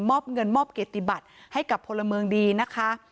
มอบเงินมอบเกตติบัติให้กับพลเมิงดีนะคะ